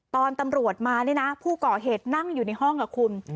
ตอนตำรวจมานี่นะผู้ก่อเหตุนั่งอยู่ในห้องกับคุณ